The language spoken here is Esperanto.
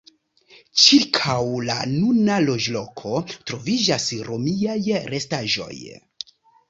Ĉirkaŭ la nuna loĝloko troviĝas romiaj restaĵoj.